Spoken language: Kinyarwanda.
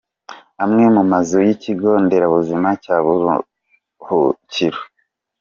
Amwe mu mazu y’ikigo nderabuzima cya Buruhukiro.